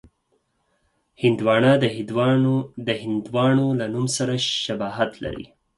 هندوانه د هندوانو له نوم سره شباهت لري.